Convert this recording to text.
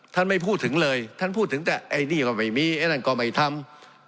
ไม่พูดถึงเลยท่านพูดถึงแต่ไอ้นี่ก็ไม่มีไอ้นั่นก็ไม่ทำ